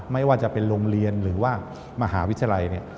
ไม่ว่าจะเป็นโรงเรียนหรือว่ามหาวิทยาลัยเนี่ย